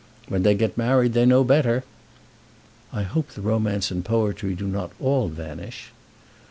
When they get married they know better." "I hope the romance and poetry do not all vanish."